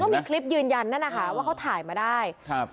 มีคลิปยืนยันนั่นนะคะว่าเขาถ่ายมาได้ครับ